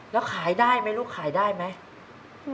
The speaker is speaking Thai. แล้วขายได้ไหมลูกขายได้ไหม